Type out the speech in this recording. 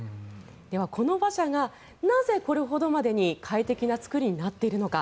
では、この馬車がなぜこれほどまでに快適な作りになっているのか。